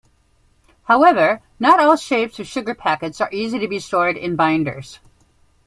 However, not all shapes of sugar packets are easy to be stored in binders.